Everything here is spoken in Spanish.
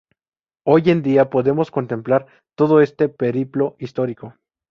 Hoy en día, podemos contemplar todo este periplo histórico.